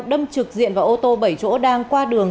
đâm trực diện vào ô tô bảy chỗ đang qua đường